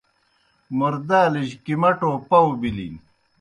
موردالِجیْ کِمَٹَو پؤ بِلِن۔